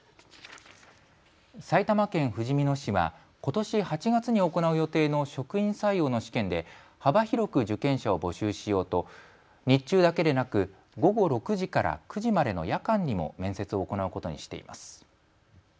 埼玉県ふじみ野市はことし８月に行う予定の職員採用の試験で幅広く受験者を募集しようと日中だけでなく午後６時から９時までの夜間にも面接を行うことにしています。